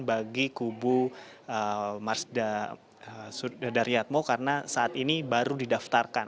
bagi kpu marsya daryatmo karena saat ini baru didaftarkan